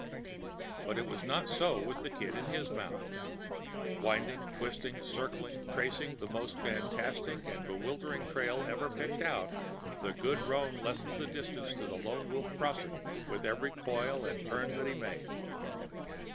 But it was not so with the Kid and his mount. Winding, twisting, circling, tracing the most fantastic and bewildering trail ever picked out, the good roan lessened the distance to the Lone Wolf Crossing with every coil and turn that he made.